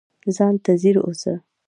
ځان ته ځیر اوسه